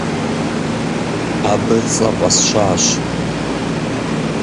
Абы цӏэ фӀэсщащ.